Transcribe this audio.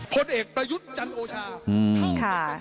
ผลเอกประยุทธ์จันโอชา